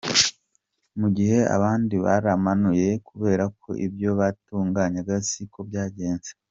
Mu gihe abandi baramanuye kubera ko ibyo bateganyaga siko byagenze.